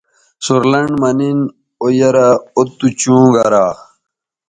سور لنڈ مہ نِن او یارااو تُو چوں گرا